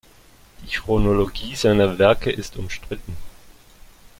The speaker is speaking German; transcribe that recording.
Die Chronologie seiner Werke ist umstritten.